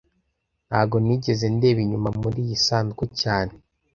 Ntago nigeze ndeba inyuma muriyi sanduku cyane